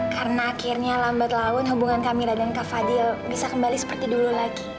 karena akhirnya lambat laun hubungan kamilah dan kak fadil bisa kembali seperti dulu lagi